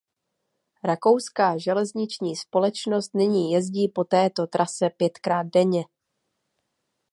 Rakouská železniční společnost nyní jezdí po této trase pětkrát denně.